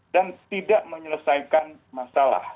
dan tidak menyelesaikan masalah